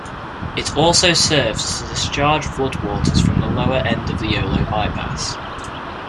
It also serves to discharge floodwaters from the lower end of the Yolo Bypass.